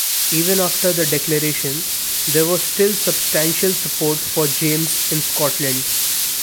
Even after the declaration, there was still substantial support for James in Scotland.